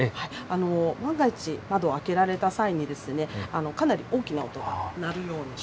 万が一、窓を開けられた際に、かなり大きな音が鳴るように。